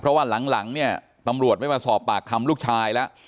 เพราะว่าหลังเนี่ยตำรวจไม่มาสอบปากคำลูกชายแล้ว